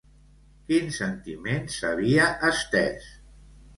Quin sentiment s'havia estès?